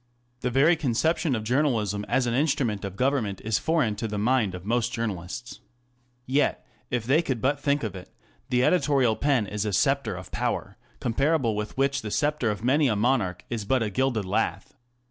The very conception of journalism as an instrument of government is foreign to the mind of most journalists. Yet, if they could but think of it, the editorial pen is a sceptre of power, compared with which the sceptre of many a monarch is but a gilded lath.